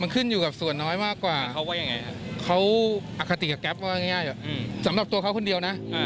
เค้าอากาศเรียกว่ามันว้าง่ายสำหรับตัวเค้าคนเดียวนะ